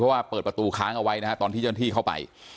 เพราะว่าเปิดประตูค้างเอาไว้นะฮะตอนที่เข้าไป